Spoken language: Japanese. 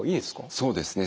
そうですね。